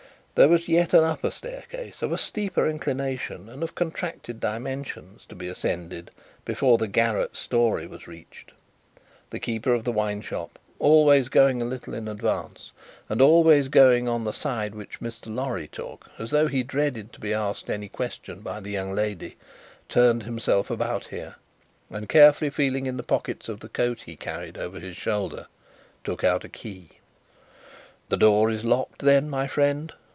There was yet an upper staircase, of a steeper inclination and of contracted dimensions, to be ascended, before the garret story was reached. The keeper of the wine shop, always going a little in advance, and always going on the side which Mr. Lorry took, as though he dreaded to be asked any question by the young lady, turned himself about here, and, carefully feeling in the pockets of the coat he carried over his shoulder, took out a key. "The door is locked then, my friend?"